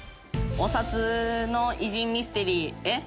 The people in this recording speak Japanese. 「お札の偉人ミステリー」？